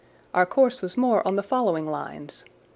Our course was more on the following Iines.